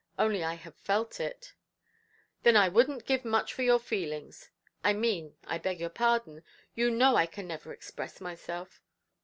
Only I have felt it". "Then I wouldnʼt give much for your feelings. I mean—I beg your pardon—you know I can never express myself".